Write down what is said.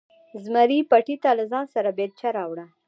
زمري پټي ته له ځانه سره بیلچه راوړه.